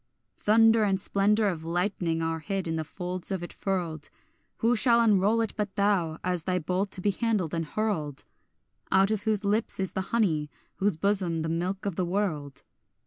Thunder and splendour of lightning are hid in the folds of it furled; Who shall unroll it but thou, as thy bolt to be handled and hurled, Out of whose lips is the honey, whose bosom the milk of the world?